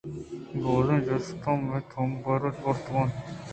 بازیں جسُتاں مئے تام ءُغیرت بُرتگ اَت